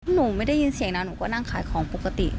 หนูไม่ได้ยินเสียงนะหนูก็นั่งขายของปกติ